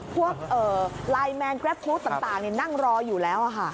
พวกไลน์แมนแกร็บพลูดต่างนี่นั่งรออยู่แล้วค่ะ